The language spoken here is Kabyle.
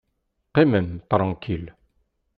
Qqimem ṭṛankil!